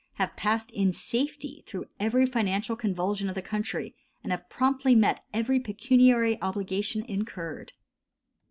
have passed in safety through every financial convulsion of the country, and have promptly met every pecuniary obligation incurred.